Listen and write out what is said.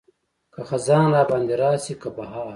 که خزان راباندې راشي که بهار.